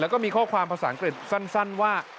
แล้วก็มีข้อความภาษาอังกฤษสั้นว่า